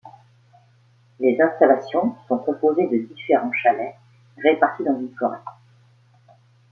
Les installations sont composées de différents chalets répartis dans une forêt.